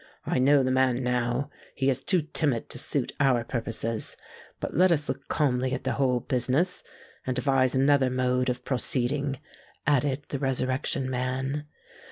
I know the man now: he is too timid to suit our purposes. But let us look calmly at the whole business, and devise another mode of proceeding," added the Resurrection Man.